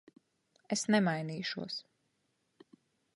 Es nemainīšos.